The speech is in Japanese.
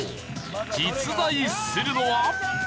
実在するのは。